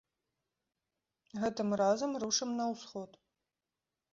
Гэтым разам рушым на ўсход.